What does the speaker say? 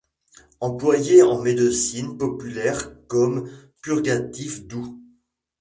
Employée en médecine populaire comme purgatif doux.